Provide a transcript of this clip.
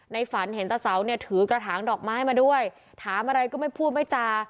ฝันเห็นตะเสาเนี่ยถือกระถางดอกไม้มาด้วยถามอะไรก็ไม่พูดไม่จา